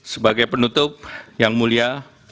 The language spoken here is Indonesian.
sebagai penutup yang mulia